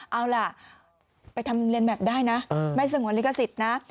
เอาล่ะไปทำเรียนแบบได้นะไม่สงวนลิขสิทธิ์นะ